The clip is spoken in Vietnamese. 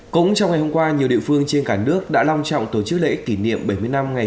cũng trong ngày hôm qua nhiều địa phương trên cả nước đã long trọng tổ chức lễ kỷ niệm bảy mươi năm ngày